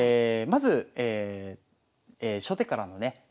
まず初手からのね